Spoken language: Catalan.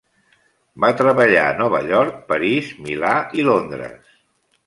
Va treballar a Nova York, París, Milà i Londres.